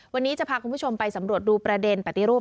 วันนี้จะพาคุณผู้ชมไปสำรวจดูประเด็นปฏิรูป